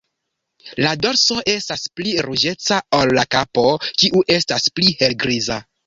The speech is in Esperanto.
La dorso estas pli ruĝeca ol la kapo, kiu estas pli helgriza.